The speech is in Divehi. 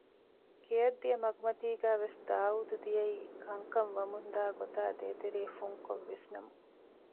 ގެއަށް ދިޔަ މަގުމަތީގައިވެސް ދާއޫދު ދިޔައީ ކަންކަން ވަމުންދާ ގޮތާ ދޭތެރޭ ފުންކޮށް ވިސްނަމުން